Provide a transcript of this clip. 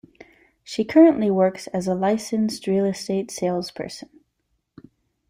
She currently works as a licensed real estate salesperson.